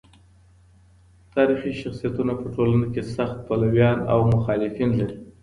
تاریخي شخصیتونه په ټولنه کي سخت پلویان او مخالفین لري.